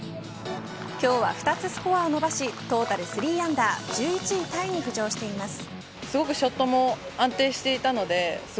今日は２つスコアを伸ばしトータル３アンダー１１位タイに浮上しています。